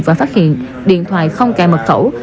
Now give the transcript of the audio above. và phát hiện điện thoại không cài mật khẩu